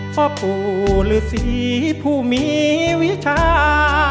พ่อผู้หรือสีผู้มีวิชา